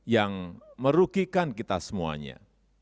yang merugikan kita semuanya